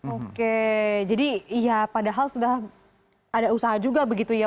oke jadi ya padahal sudah ada usaha juga begitu ya